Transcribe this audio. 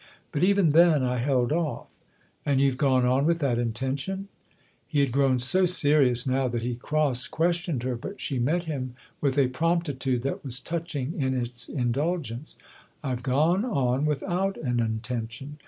But even then I held off." "And you've gone on with that intention ?" He had grown so serious now that he cross questioned her, but she met him with a promptitude that was touching in its indulgence. " I've gone on without an intention.